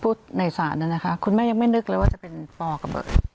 ในศาลนะคะคุณแม่ยังไม่นึกเลยว่าจะเป็นปอกับเบิร์ต